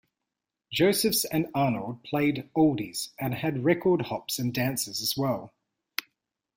Josephs and Arnold played "oldies" and had record hops and dances as well.